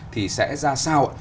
thì sẽ ra sao